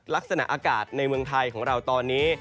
ลักษณะอากาศในเมืองไทยของเราตอนนี้